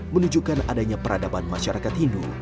menunjukkan adanya peradaban masyarakat hindu